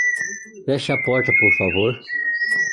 Feche a porta, por favor.